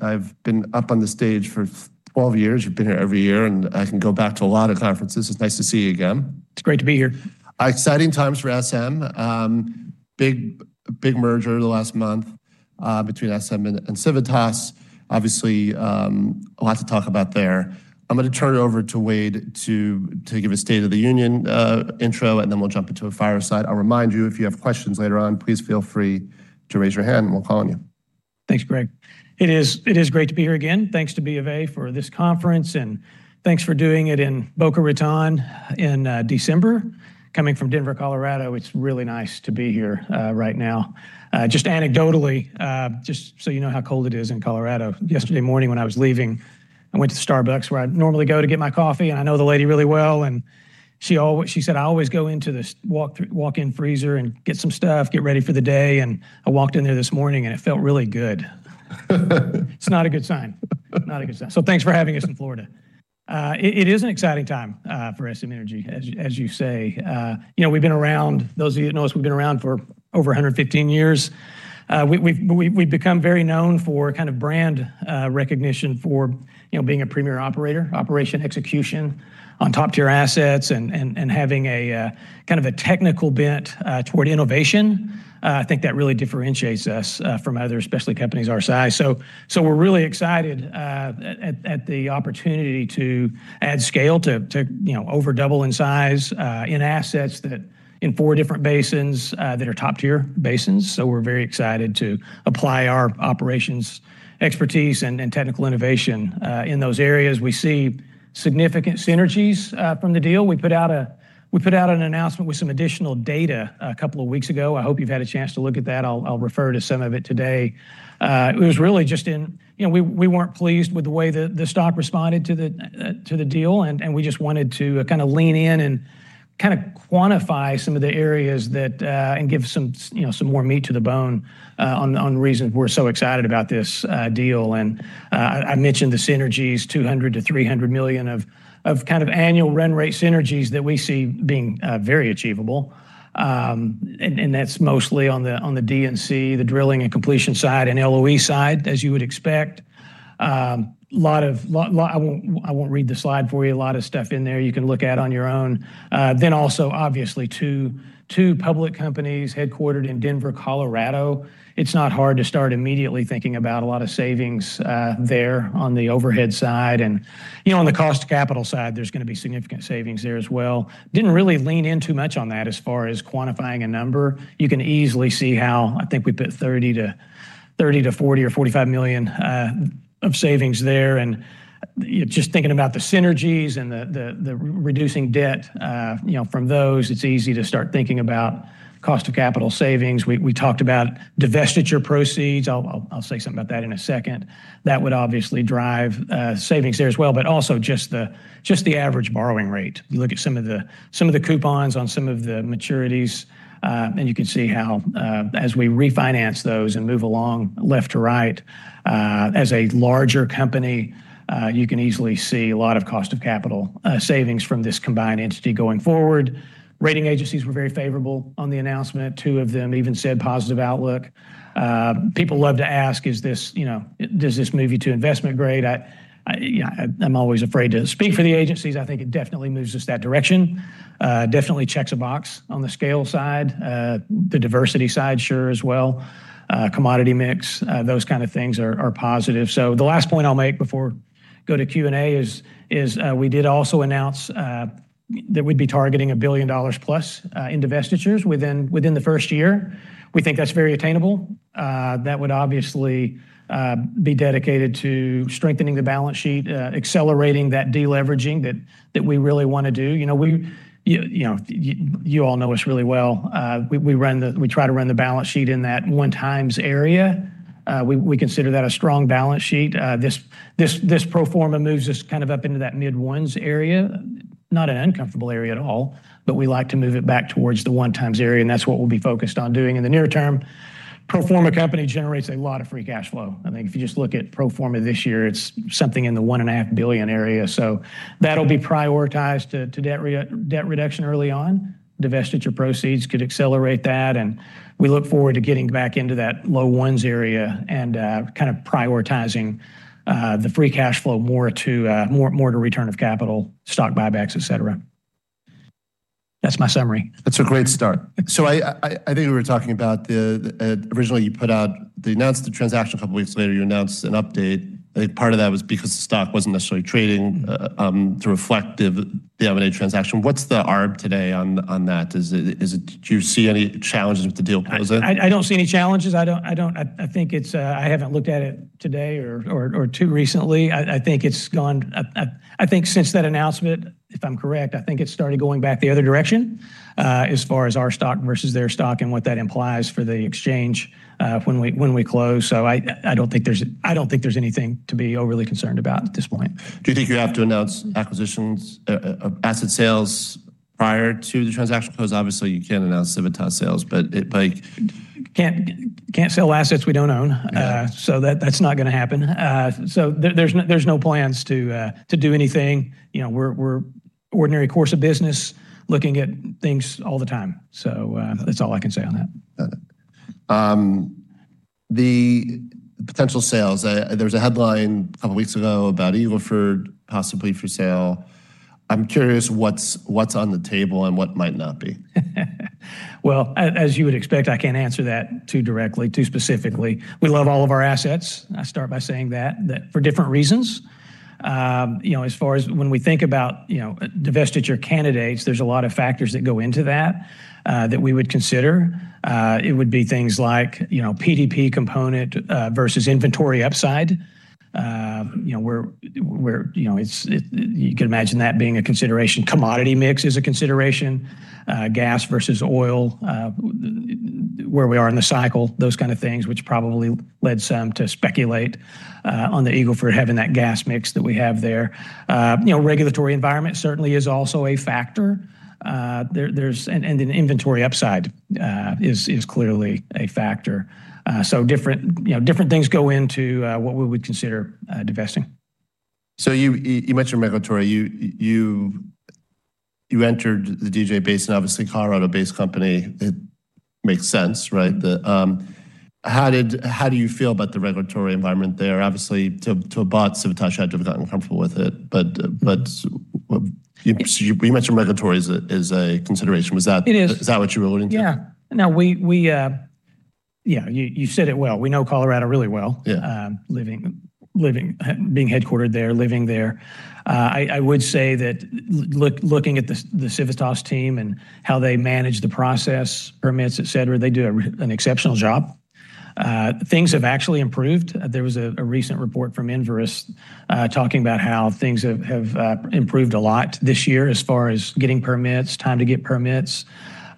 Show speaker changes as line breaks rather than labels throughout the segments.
I've been up on the stage for 12 years. You've been here every year, and I can go back to a lot of conferences. It's nice to see you again.
It's great to be here.
Exciting times for SM. Big merger the last month between SM and Civitas. Obviously, a lot to talk about there. I'm going to turn it over to Wade to give a State of the Union intro, and then we'll jump into a fireside. I'll remind you, if you have questions later on, please feel free to raise your hand, and we'll call on you.
Thanks, Gregg. It is great to be here again. Thanks to B of A for this conference, and thanks for doing it in Boca Raton in December. Coming from Denver, Colorado, it's really nice to be here right now. Just anecdotally, just so you know how cold it is in Colorado, yesterday morning when I was leaving, I went to the Starbucks where I normally go to get my coffee, and I know the lady really well, and she said, "I always go into the walk-in freezer and get some stuff, get ready for the day." I walked in there this morning, and it felt really good. It's not a good sign. It's not a good sign. Thanks for having us in Florida. It is an exciting time for SM Energy, as you say. We've been around, those of you that know us, we've been around for over 115 years. We've become very known for kind of brand recognition for being a premier operator, operation execution on top-tier assets, and having kind of a technical bent toward innovation. I think that really differentiates us from other, especially companies our size. We're really excited at the opportunity to add scale, to overdouble in size, in assets in four different basins that are top-tier basins. We're very excited to apply our operations expertise and technical innovation in those areas. We see significant synergies from the deal. We put out an announcement with some additional data a couple of weeks ago. I hope you've had a chance to look at that. I'll refer to some of it today. It was really just in we were not pleased with the way that the stock responded to the deal, and we just wanted to kind of lean in and kind of quantify some of the areas and give some more meat to the bone on reasons we are so excited about this deal. I mentioned the synergies, $200 million-$300 million of kind of annual run rate synergies that we see being very achievable. That is mostly on the D&C, the drilling and completion side and LOE side, as you would expect. I will not read the slide for you. A lot of stuff in there you can look at on your own. Also, obviously, two public companies headquartered in Denver, Colorado. It is not hard to start immediately thinking about a lot of savings there on the overhead side. On the cost of capital side, there's going to be significant savings there as well. Didn't really lean in too much on that as far as quantifying a number. You can easily see how I think we put $30 million-$40 million or $45 million of savings there. Just thinking about the synergies and the reducing debt from those, it's easy to start thinking about cost of capital savings. We talked about divestiture proceeds. I'll say something about that in a second. That would obviously drive savings there as well, but also just the average borrowing rate. You look at some of the coupons on some of the maturities, and you can see how as we refinance those and move along left to right, as a larger company, you can easily see a lot of cost of capital savings from this combined entity going forward. Rating agencies were very favorable on the announcement. Two of them even said positive outlook. People love to ask, does this move you to investment grade? I'm always afraid to speak for the agencies. I think it definitely moves us that direction. Definitely checks a box on the scale side. The diversity side, sure, as well. Commodity mix, those kind of things are positive. The last point I'll make before I go to Q&A is we did also announce that we'd be targeting $1 billion plus in divestitures within the first year. We think that's very attainable. That would obviously be dedicated to strengthening the balance sheet, accelerating that deleveraging that we really want to do. You all know us really well. We try to run the balance sheet in that one times area. We consider that a strong balance sheet. This pro forma moves us kind of up into that mid ones area. Not an uncomfortable area at all, but we like to move it back towards the one times area, and that's what we'll be focused on doing in the near term. Pro forma company generates a lot of free cash flow. I think if you just look at pro forma this year, it's something in the $1.5 billion area. That will be prioritized to debt reduction early on. Divestiture proceeds could accelerate that, and we look forward to getting back into that low ones area and kind of prioritizing the free cash flow more to return of capital, stock buybacks, et cetera. That's my summary.
That's a great start. I think we were talking about the originally you put out the announced the transaction a couple of weeks later, you announced an update. I think part of that was because the stock wasn't necessarily trading to reflect the M&A transaction. What's the ARB today on that? Do you see any challenges with the deal closing?
I don't see any challenges. I think I haven't looked at it today or too recently. I think it's gone, I think since that announcement, if I'm correct, I think it started going back the other direction as far as our stock versus their stock and what that implies for the exchange when we close. I don't think there's anything to be overly concerned about at this point.
Do you think you have to announce acquisitions, asset sales prior to the transaction close? Obviously, you can't announce Civitas sales, but.
Can't sell assets we don't own. That's not going to happen. There's no plans to do anything. We're ordinary course of business, looking at things all the time. That's all I can say on that.
The potential sales. There was a headline a couple of weeks ago about Eagle Ford possibly for sale. I'm curious what's on the table and what might not be.
As you would expect, I can't answer that too directly, too specifically. We love all of our assets. I start by saying that for different reasons. As far as when we think about divestiture candidates, there's a lot of factors that go into that that we would consider. It would be things like PDP component versus inventory upside, where you can imagine that being a consideration. Commodity mix is a consideration. Gas versus oil, where we are in the cycle, those kind of things, which probably led some to speculate on the Eagle Ford having that gas mix that we have there. Regulatory environment certainly is also a factor. Inventory upside is clearly a factor. Different things go into what we would consider divesting.
You mentioned regulatory. You entered the DJ Basin and obviously Colorado-based company. It makes sense, right? How do you feel about the regulatory environment there? Obviously, to have bought, Civitas had to have gotten comfortable with it. You mentioned regulatory is a consideration. Was that what you were alluding to?
Yeah. Now, you said it well. We know Colorado really well, being headquartered there, living there. I would say that looking at the Civitas team and how they manage the process, permits, et cetera, they do an exceptional job. Things have actually improved. There was a recent report from Enverus talking about how things have improved a lot this year as far as getting permits, time to get permits.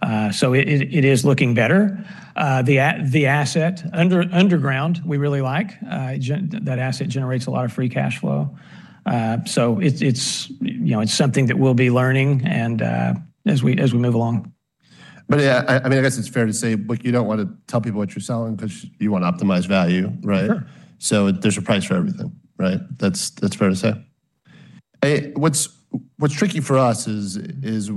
It is looking better. The asset underground we really like. That asset generates a lot of free cash flow. It is something that we will be learning as we move along.
I guess it's fair to say you don't want to tell people what you're selling because you want to optimize value, right?
Sure.
There is a price for everything, right? That is fair to say. What is tricky for us is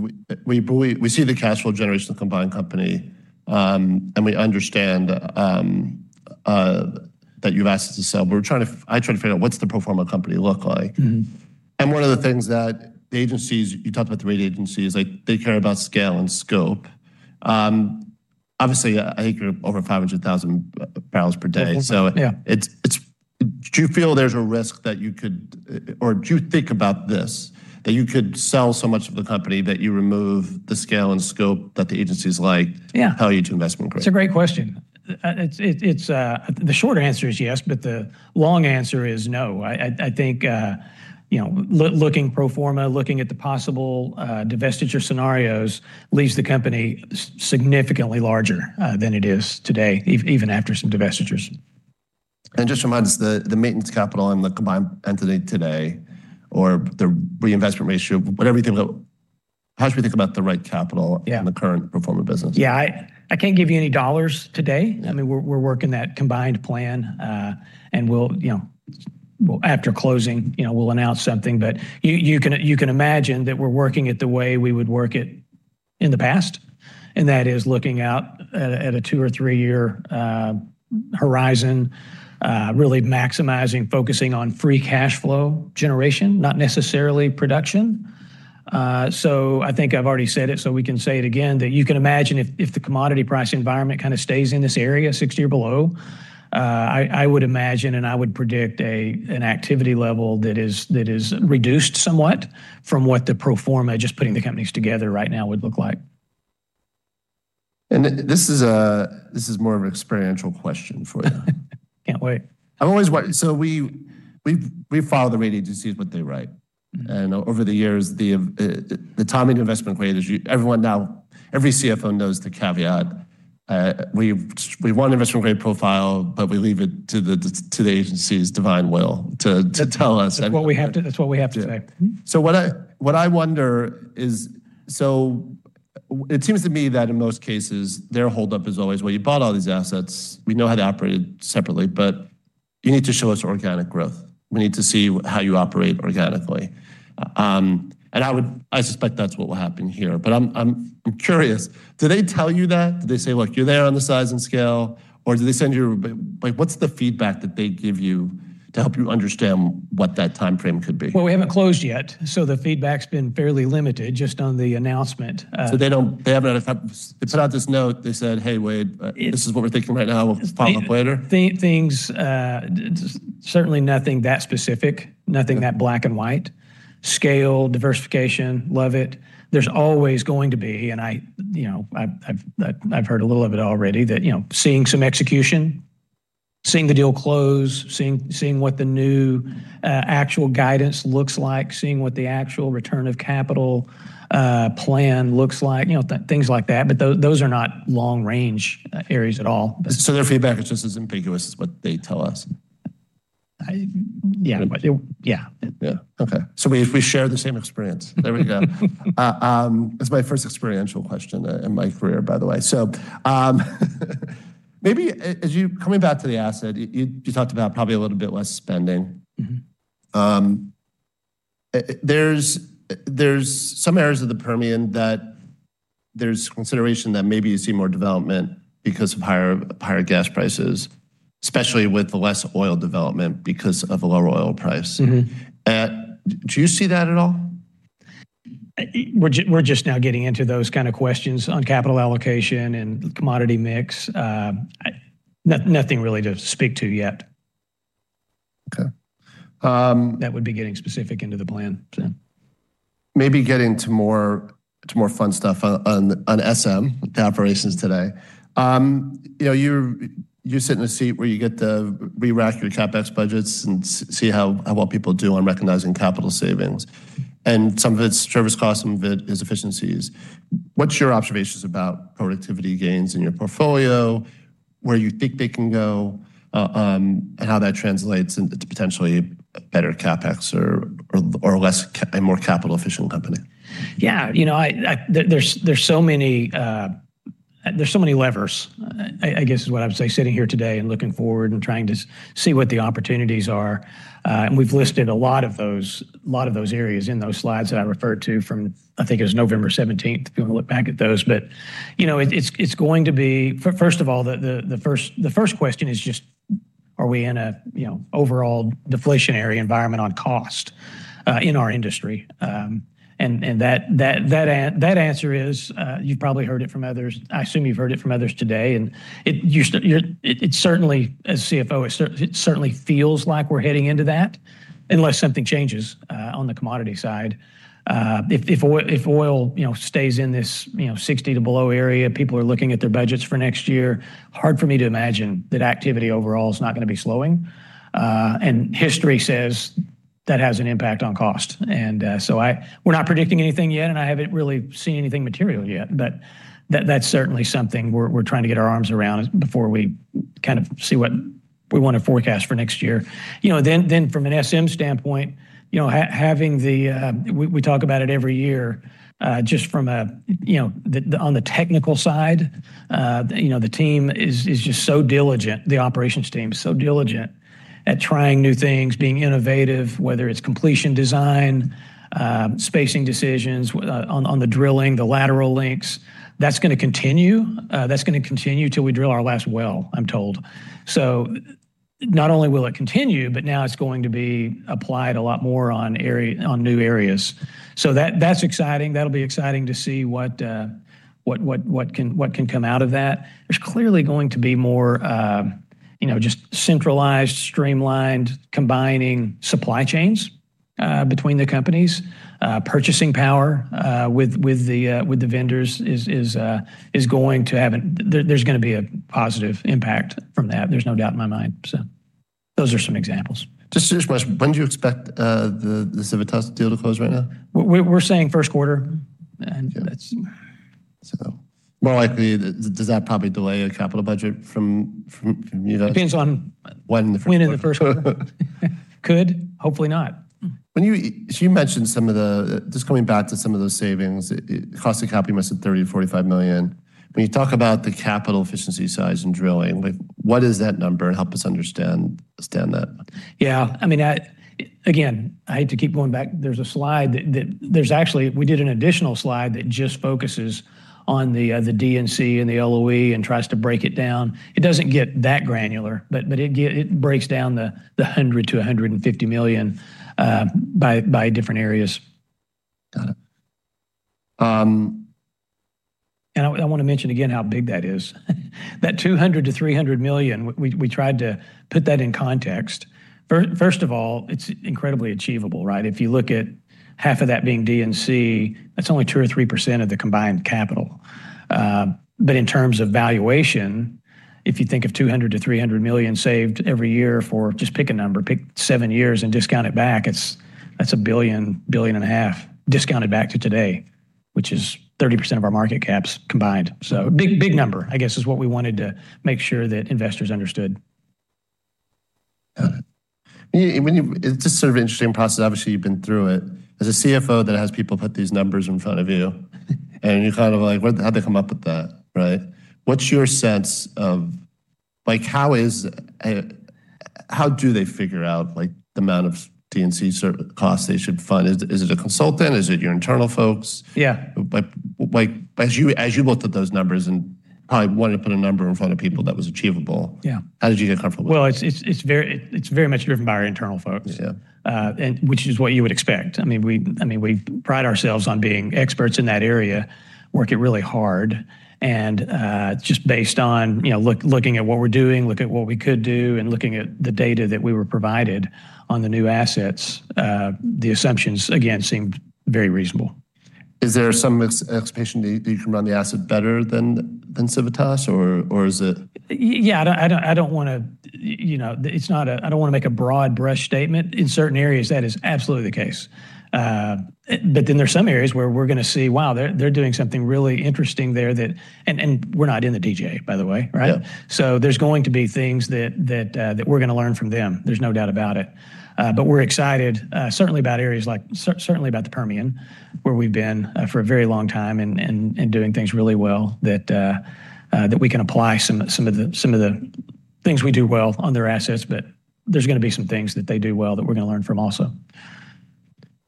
we see the cash flow generation of the combined company, and we understand that you have asked us to sell, but I am trying to figure out what does the pro forma company look like. One of the things that the agencies, you talked about the rating agencies, they care about scale and scope. Obviously, I think you are over 500,000 barrels per day. Do you feel there is a risk that you could, or do you think about this, that you could sell so much of the company that you remove the scale and scope that the agencies like to tell you to investment grade?
It's a great question. The short answer is yes, but the long answer is no. I think looking pro forma, looking at the possible divestiture scenarios leaves the company significantly larger than it is today, even after some divestitures.
Just remind us, the maintenance capital and the combined entity today, or the reinvestment ratio, how should we think about the right capital in the current pro forma business?
Yeah. I can't give you any dollars today. I mean, we're working that combined plan, and after closing, we'll announce something. You can imagine that we're working it the way we would work it in the past, and that is looking out at a two or three-year horizon, really maximizing, focusing on free cash flow generation, not necessarily production. I think I've already said it, so we can say it again, that you can imagine if the commodity price environment kind of stays in this area, $60 or below, I would imagine and I would predict an activity level that is reduced somewhat from what the pro forma, just putting the companies together right now, would look like.
This is more of an experiential question for you.
Can't wait.
We follow the rating agencies, what they write. And over the years, the timing of investment grade, every CFO knows the caveat. We want investment grade profile, but we leave it to the agencies' divine will to tell us.
That's what we have to say.
What I wonder is, it seems to me that in most cases, their holdup is always, well, you bought all these assets. We know how to operate it separately, but you need to show us organic growth. We need to see how you operate organically. I suspect that's what will happen here. I'm curious, do they tell you that? Do they say, "Look, you're there on the size and scale," or do they send you? What's the feedback that they give you to help you understand what that timeframe could be?
We have not closed yet, so the feedback's been fairly limited just on the announcement.
They haven't put out this note, they said, "Hey, Wade, this is what we're thinking right now. We'll follow up later."
Certainly nothing that specific, nothing that black and white. Scale, diversification, love it. There's always going to be, and I've heard a little of it already, that seeing some execution, seeing the deal close, seeing what the new actual guidance looks like, seeing what the actual return of capital plan looks like, things like that. Those are not long-range areas at all.
Their feedback is just as ambiguous as what they tell us?
Yeah. Yeah.
Okay. We share the same experience. There we go. It's my first experiential question in my career, by the way. Maybe coming back to the asset, you talked about probably a little bit less spending. There are some areas of the Permian that there's consideration that maybe you see more development because of higher gas prices, especially with the less oil development because of the lower oil price. Do you see that at all?
We're just now getting into those kind of questions on capital allocation and commodity mix. Nothing really to speak to yet.
Okay.
That would be getting specific into the plan.
Maybe getting to more fun stuff on SM, the operations today. You sit in a seat where you get to rerack your CapEx budgets and see how well people do on recognizing capital savings. Some of it is service costs, some of it is efficiencies. What's your observations about productivity gains in your portfolio, where you think they can go, and how that translates into potentially better CapEx or a more capital-efficient company?
Yeah. There are so many levers, I guess is what I would say, sitting here today and looking forward and trying to see what the opportunities are. We have listed a lot of those areas in those slides that I referred to from, I think it was November 17th. If you want to look back at those. It is going to be, first of all, the first question is just, are we in an overall deflationary environment on cost in our industry? That answer is, you have probably heard it from others. I assume you have heard it from others today. As CFO, it certainly feels like we are heading into that unless something changes on the commodity side. If oil stays in this $60 to below area, people are looking at their budgets for next year, hard for me to imagine that activity overall is not going to be slowing. History says that has an impact on cost. We are not predicting anything yet, and I have not really seen anything material yet. That is certainly something we are trying to get our arms around before we see what we want to forecast for next year. From an SM standpoint, we talk about it every year. On the technical side, the team is just so diligent, the operations team is so diligent at trying new things, being innovative, whether it is completion design, spacing decisions on the drilling, the lateral lengths. That is going to continue. That is going to continue until we drill our last well, I am told. Not only will it continue, but now it is going to be applied a lot more on new areas. That is exciting. That will be exciting to see what can come out of that. There's clearly going to be more just centralized, streamlined, combining supply chains between the companies. Purchasing power with the vendors is going to have a, there's going to be a positive impact from that. There's no doubt in my mind. Those are some examples.
Just a question. When do you expect the Civitas deal to close right now?
We're saying first quarter.
More likely, does that probably delay a capital budget from you guys?
Depends on when in the first quarter. Could, hopefully not.
You mentioned some of the, just coming back to some of those savings, cost of capital must be $30 million-$45 million. When you talk about the capital efficiency size in drilling, what is that number and help us understand that?
Yeah. I mean, again, I hate to keep going back. There's a slide that there's actually, we did an additional slide that just focuses on the D&C and the LOE and tries to break it down. It doesn't get that granular, but it breaks down the $100-$150 million by different areas.
Got it.
I want to mention again how big that is. That $200 million-$300 million, we tried to put that in context. First of all, it is incredibly achievable, right? If you look at half of that being D&C, that is only 2%-3% of the combined capital. In terms of valuation, if you think of $200 million-$300 million saved every year for, just pick a number, pick seven years and discount it back, that is $1 billion-$1.5 billion discounted back to today, which is 30% of our market caps combined. Big number, I guess, is what we wanted to make sure that investors understood.
Got it. It's just sort of interesting process. Obviously, you've been through it. As a CFO that has people put these numbers in front of you, and you're kind of like, how'd they come up with that, right? What's your sense of how do they figure out the amount of D&C costs they should fund? Is it a consultant? Is it your internal folks?
Yeah.
As you looked at those numbers and probably wanted to put a number in front of people that was achievable, how did you get comfortable with that?
It is very much driven by our internal folks, which is what you would expect. I mean, we pride ourselves on being experts in that area, work it really hard. And just based on looking at what we are doing, looking at what we could do, and looking at the data that we were provided on the new assets, the assumptions, again, seem very reasonable.
Is there some expectation that you can run the asset better than Civitas, or is it?
Yeah. I don't want to, I don't want to make a broad-brush statement. In certain areas, that is absolutely the case. There are some areas where we're going to see, wow, they're doing something really interesting there that, and we're not in the DJ, by the way, right? There are going to be things that we're going to learn from them. There's no doubt about it. We're excited, certainly about areas like, certainly about the Permian, where we've been for a very long time and doing things really well that we can apply some of the things we do well on their assets. There are going to be some things that they do well that we're going to learn from also.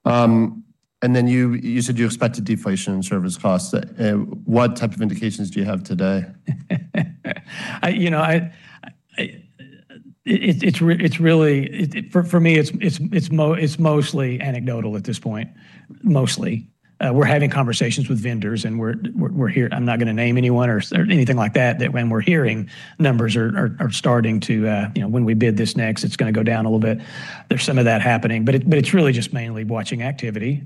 You said you expected deflation in service costs. What type of indications do you have today?
For me, it's mostly anecdotal at this point. We're having conversations with vendors, and we're here, I'm not going to name anyone or anything like that, that when we're hearing numbers are starting to, when we bid this next, it's going to go down a little bit. There's some of that happening. It's really just mainly watching activity,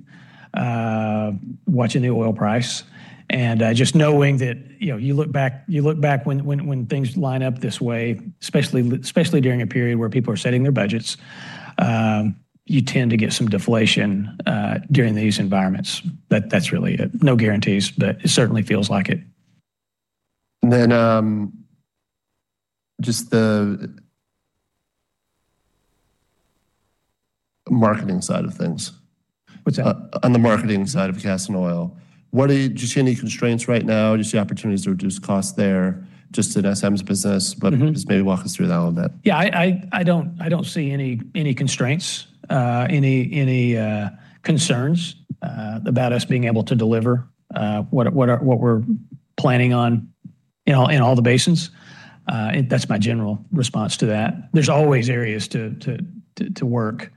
watching the oil price. Just knowing that you look back, you look back when things line up this way, especially during a period where people are setting their budgets, you tend to get some deflation during these environments. That's really it. No guarantees, but it certainly feels like it.
Just the marketing side of things.
What's that?
On the marketing side of gas and oil, just any constraints right now, just the opportunities to reduce costs there, just in SM's business, but just maybe walk us through that a little bit.
Yeah. I don't see any constraints, any concerns about us being able to deliver what we're planning on in all the basins. That's my general response to that. There's always areas to work,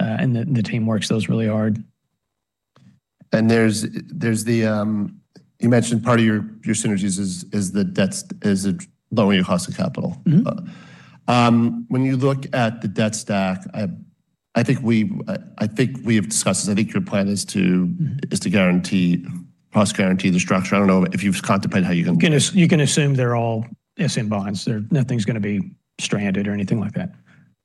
and the team works those really hard.
You mentioned part of your synergies is the lowering of cost of capital. When you look at the debt stack, I think we have discussed, I think your plan is to guarantee, cost guarantee the structure. I do not know if you have contemplated how you are going to.
You can assume they're all SM bonds. Nothing's going to be stranded or anything like that.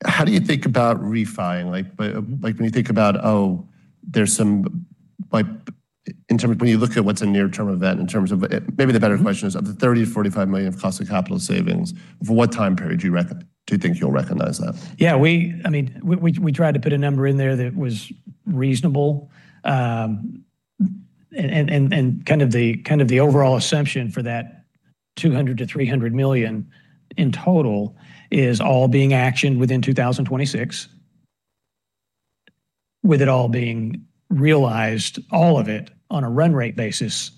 How do you think about refining? When you think about, oh, there's some, when you look at what's a near-term event in terms of, maybe the better question is of the $30 million-$45 million of cost of capital savings, for what time period do you think you'll recognize that?
Yeah. I mean, we tried to put a number in there that was reasonable. And kind of the overall assumption for that $200 million-$300 million in total is all being actioned within 2026, with it all being realized, all of it on a run rate basis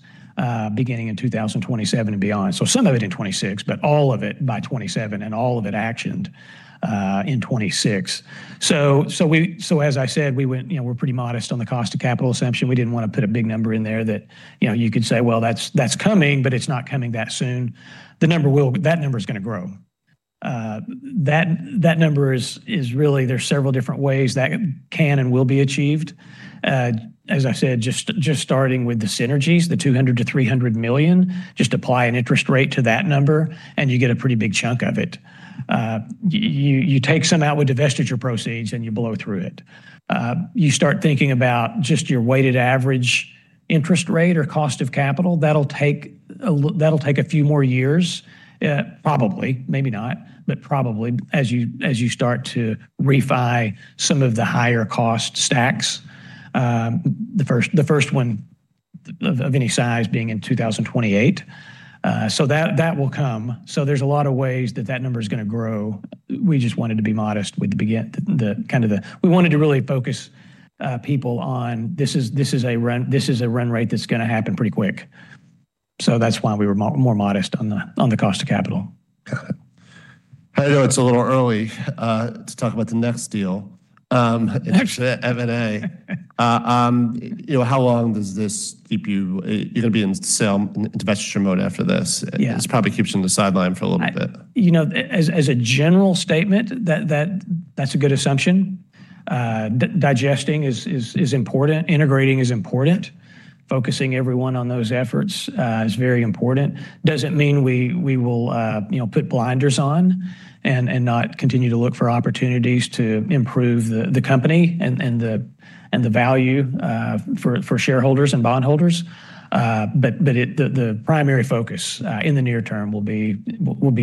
beginning in 2027 and beyond. Some of it in 2026, but all of it by 2027 and all of it actioned in 2026. As I said, we're pretty modest on the cost of capital assumption. We didn't want to put a big number in there that you could say, well, that's coming, but it's not coming that soon. That number is going to grow. That number is really, there's several different ways that can and will be achieved. As I said, just starting with the synergies, the $200 million-$300 million, just apply an interest rate to that number, and you get a pretty big chunk of it. You take some out with divestiture proceeds and you blow through it. You start thinking about just your weighted average interest rate or cost of capital, that'll take a few more years, probably, maybe not, but probably as you start to refy some of the higher cost stacks, the first one of any size being in 2028. That will come. There are a lot of ways that that number is going to grow. We just wanted to be modest with the kind of the, we wanted to really focus people on this is a run rate that's going to happen pretty quick. That is why we were more modest on the cost of capital.
Got it. I know it's a little early to talk about the next deal, actually M&A. How long does this keep you, you're going to be in divestiture mode after this? It probably keeps you on the sideline for a little bit.
You know, as a general statement, that's a good assumption. Digesting is important. Integrating is important. Focusing everyone on those efforts is very important. It does not mean we will put blinders on and not continue to look for opportunities to improve the company and the value for shareholders and bondholders. The primary focus in the near term will be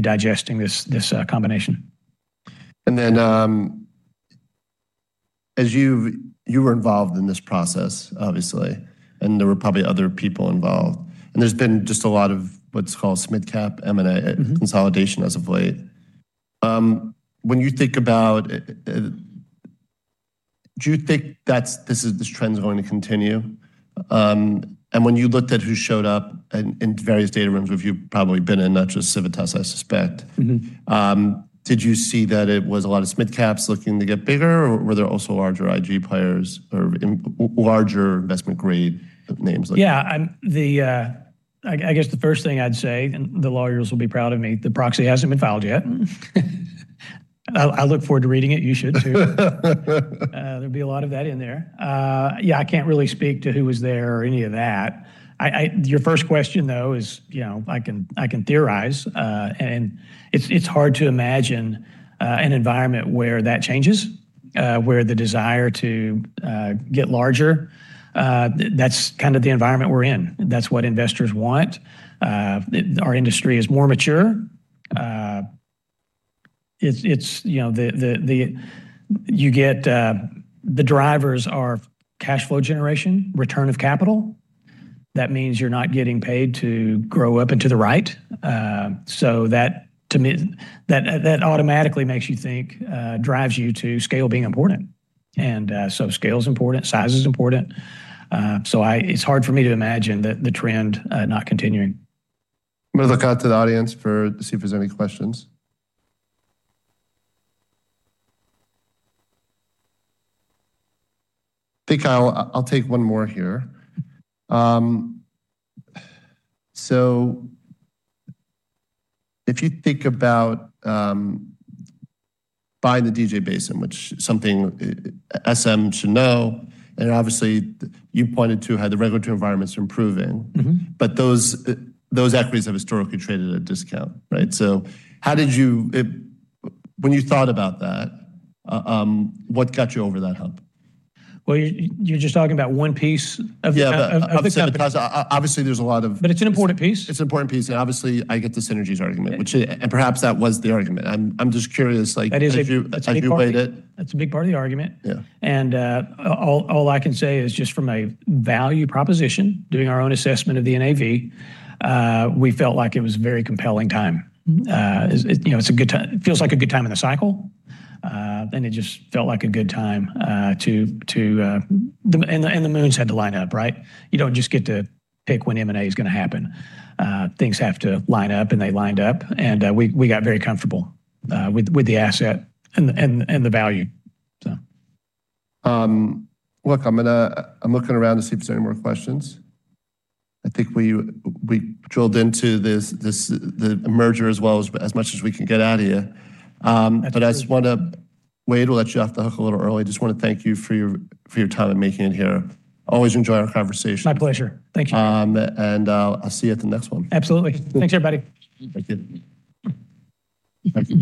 digesting this combination.
As you were involved in this process, obviously, and there were probably other people involved, and there's been just a lot of what's called SMID-cap M&A consolidation as of late. When you think about, do you think this trend is going to continue? And when you looked at who showed up in various data rooms, which you've probably been in, not just Civitas, I suspect, did you see that it was a lot of SMID-caps looking to get bigger, or were there also larger IG players or larger investment-grade names?
Yeah. I guess the first thing I'd say, and the lawyers will be proud of me, the proxy hasn't been filed yet. I look forward to reading it. You should too. There'll be a lot of that in there. Yeah, I can't really speak to who was there or any of that. Your first question, though, is I can theorize. It's hard to imagine an environment where that changes, where the desire to get larger. That's kind of the environment we're in. That's what investors want. Our industry is more mature. You get the drivers are cash flow generation, return of capital. That means you're not getting paid to grow up and to the right. That automatically makes you think, drives you to scale being important. Scale is important, size is important. It's hard for me to imagine the trend not continuing.
Another cut to the audience to see if there's any questions. I think I'll take one more here. If you think about buying the DJ Basin, which is something SM should know, and obviously you pointed to how the regulatory environment's improving, those equities have historically traded at a discount, right? When you thought about that, what got you over that hump?
You're just talking about one piece of the.
Obviously, there's a lot of.
It is an important piece.
It's an important piece. Obviously, I get the synergies argument, which, and perhaps that was the argument. I'm just curious.
That is a big part. That's a big part of the argument. All I can say is just from a value proposition, doing our own assessment of the NAV, we felt like it was a very compelling time. It's a good time. It feels like a good time in the cycle. It just felt like a good time to, and the moons had to line up, right? You don't just get to pick when M&A is going to happen. Things have to line up, and they lined up. We got very comfortable with the asset and the value.
Look, I'm looking around to see if there's any more questions. I think we drilled into the merger as well as much as we can get out of here. I just want to, Wade, we'll let you off the hook a little early. Just want to thank you for your time and making it here. Always enjoy our conversation.
My pleasure. Thank you.
I'll see you at the next one.
Absolutely. Thanks, everybody.
Thank you.